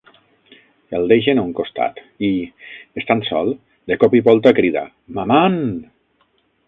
El deixen a un costat i, estant sol, de cop i volta crida: "Maman!".